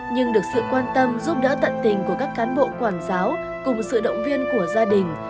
nhưng được sự quan tâm giúp đỡ tận tình của các cán bộ quản giáo cùng sự động viên của gia đình